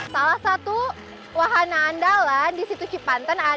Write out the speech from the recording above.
salah satu wahana andalan disitu cipanten adalah